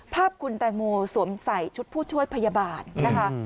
ภาพคุณแตงโมสวมใส่ชุดผู้ช่วยพยาบาลนะคะ